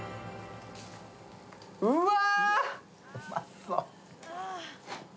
うわ。